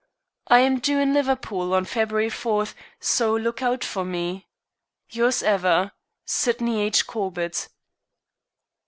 I am due in Liverpool on February 4, so look out for me. "Yours ever, "SYDNEY H. CORBETT."